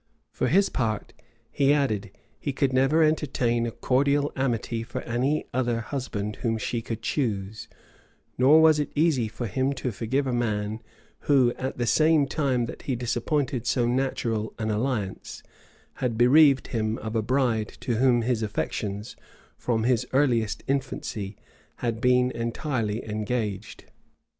For his part, he added, he never could entertain a cordial amity for any other husband whom she should choose; nor was it easy for him to forgive a man who, at the same time that he disappointed so natural an alliance, had bereaved him of a bride to whom his affections, from his earliest infancy, had been entirely engaged.